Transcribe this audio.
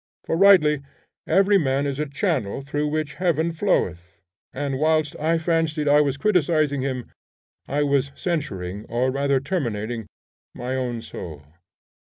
For rightly every man is a channel through which heaven floweth, and whilst I fancied I was criticising him, I was censuring or rather terminating my own soul.